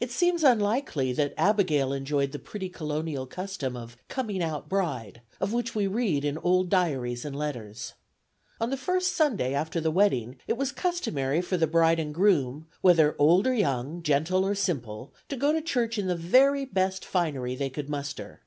It seems unlikely that Abigail enjoyed the pretty Colonial custom of "coming out Bride," of which we read in old diaries and letters. On the first Sunday after the wedding it was customary for the bride and groom, "whether old or young, gentle or simple," to go to church in the very best finery they could muster.